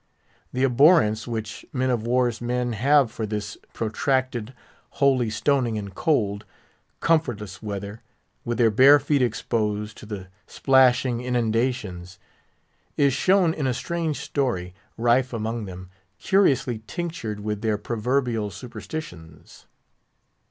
The abhorrence which men of war's men have for this protracted holy stoning in cold, comfortless weather—with their bare feet exposed to the splashing inundations—is shown in a strange story, rife among them, curiously tinctured with their proverbial superstitions.